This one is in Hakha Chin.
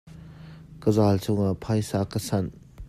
Ka zal chungah phaisa ka sanh.